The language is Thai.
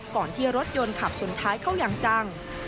ก่อนที่รถยนต์ขับชนท้ายเข้าอย่างจัง